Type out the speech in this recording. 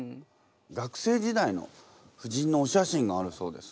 学生時代の夫人のお写真があるそうです。